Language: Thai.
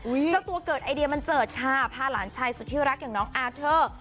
เจ้าตัวเกิดไอเดียบันเจิดค่ะพาหลานชายสุดที่รักอย่างน้องอาเทอร์